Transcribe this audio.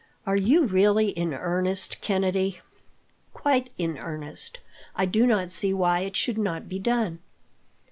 "Are you really in earnest, Kennedy?" "Quite in earnest. I do not see why it should not be done."